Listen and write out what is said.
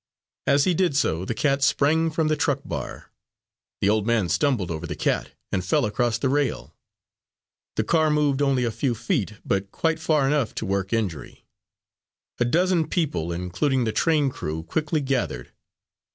As he did so, the cat sprang from the truck bar; the old man stumbled over the cat, and fell across the rail. The car moved only a few feet, but quite far enough to work injury. A dozen people, including the train crew, quickly gathered.